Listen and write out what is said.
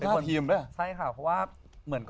อย่างนี้ส่วนนึง